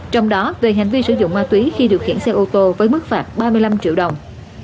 trong đó về hành vi sử dụng ma túy khi điều khiển xe ô tô với mức phạt ba mươi năm triệu đồng